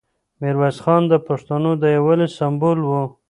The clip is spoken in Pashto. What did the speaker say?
میرویس خان د پښتنو د یووالي سمبول و.